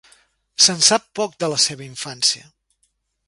Se'n sap poc de la seva infància.